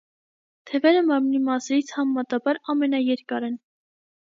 Թևերը մարմնի մասերից համեմատաբար ամենաերկար են։